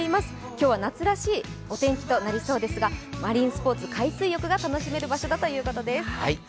今日は夏らしいお天気となりそうですが、マリンスポーツ、海水浴が楽しめる場所だということです。